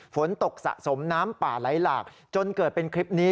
ฝนตกสะสมน้ำป่าไหลหลากจนเกิดเป็นคลิปนี้